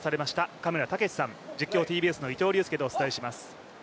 嘉村健士さん、実況、ＴＢＳの伊藤隆佑でお伝えします。